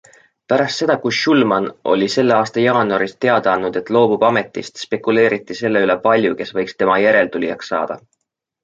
Pärast seda, kui Shulman oli selle aasta jaanuaris teada andnud, et loobub ametist, spekuleeriti selle üle palju, kes võiks tema järeltulijaks saada.